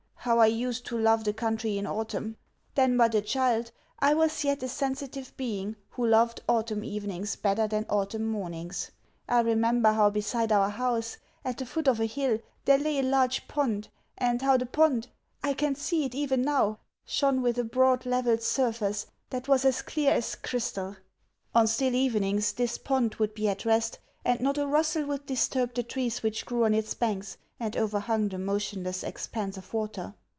How I used to love the country in autumn! Then but a child, I was yet a sensitive being who loved autumn evenings better than autumn mornings. I remember how beside our house, at the foot of a hill, there lay a large pond, and how the pond I can see it even now! shone with a broad, level surface that was as clear as crystal. On still evenings this pond would be at rest, and not a rustle would disturb the trees which grew on its banks and overhung the motionless expanse of water.